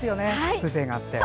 風情があって。